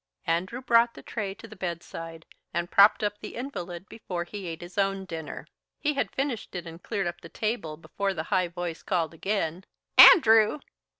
Andrew brought the tray to the bedside and propped up the invalid before he ate his own dinner. He had finished it and cleared up the table before the high voice called again: "An ndrew!"